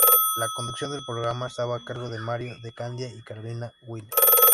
La conducción del programa estaba a cargo de Mario De Candía y Carolina Wyler.